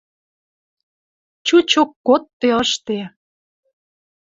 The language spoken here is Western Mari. Чучок кодде ышде.